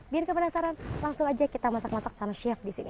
biar kebenasaran langsung aja kita masak masak sama chef di sini